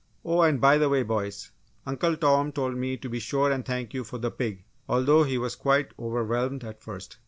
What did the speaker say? "Oh, and by the way, boys, Uncle Tom told me to be sure and thank you for the pig although he was quite overwhelmed at first.